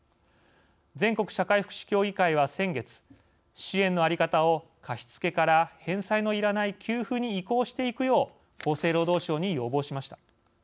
全国社会福祉協議会は先月支援の在り方を貸付から返済のいらない給付に移行していくよう厚生労働省に要望しました。